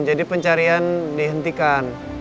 jadi pencarian dihentikan